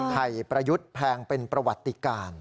ประยุทธ์แพงเป็นประวัติการ